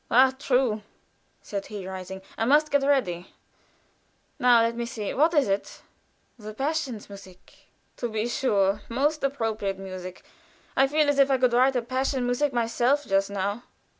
"Ah, true!" said he, rising; "I must get ready. Let me see, what is it?" "The 'Passions musik.'" "To be sure! Most appropriate music! I feel as if I could write a Passion Music myself just now."